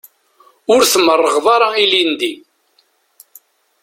Ur tmerrɣeḍ ara ilindi.